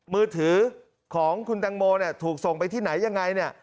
มือถือของคุณตังโมถูกส่งไปที่ไหนยังไง